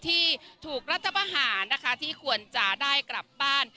ที่ถูกรัฐประหารนะคะที่ควรจะได้กลับบ้าน